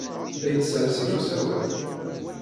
La yettsersir usawal?